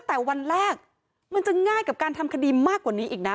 แต่วันแรกมันจะง่ายกับการทำคดีมากกว่านี้อีกนะ